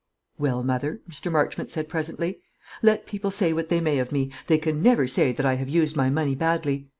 "Well, mother," Mr. Marchmont said presently, "let people say what they may of me, they can never say that I have used my money badly.